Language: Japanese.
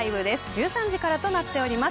１３時からとなっています。